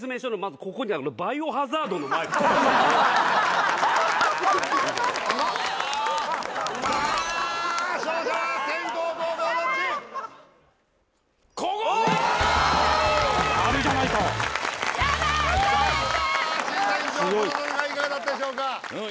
この戦いいかがだったでしょうか？